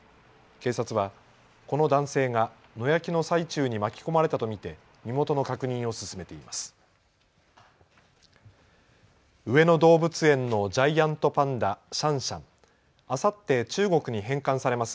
警察はこの男性が野焼きの最中に巻き込まれたと見て身元の確認を進めています。